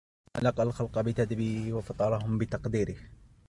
خَلَقَ الْخَلْقَ بِتَدْبِيرِهِ وَفَطَرَهُمْ بِتَقْدِيرِهِ